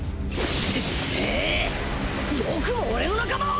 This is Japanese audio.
テメエよくも俺の仲間を！